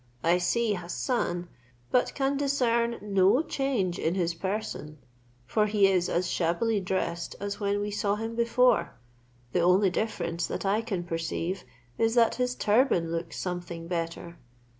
I see Hassan, but can discern no change in his person, for he is as shabbily dressed as when we saw him before; the only difference that I can perceive is, that his turban looks something better.